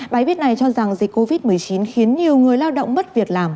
bài viết này cho rằng dịch covid một mươi chín khiến nhiều người lao động mất việc làm